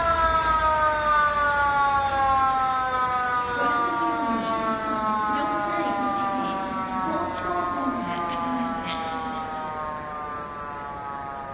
ご覧のように４対１で高知高校が勝ちました。